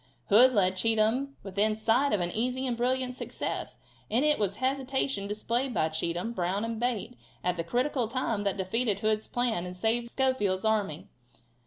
Hood led Cheatham within sight of an easy and brilliant success, and it was the hesitation displayed by Cheatham. Brown and Bate at the critical time, that defeated Hood's plan and saved Schofield's army.